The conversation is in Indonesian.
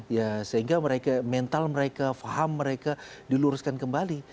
ya sehingga mental mereka paham mereka diluruskan kembali